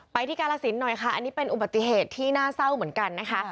ที่กาลสินหน่อยค่ะอันนี้เป็นอุบัติเหตุที่น่าเศร้าเหมือนกันนะคะ